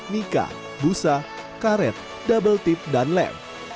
nika busa karet double tip dan lem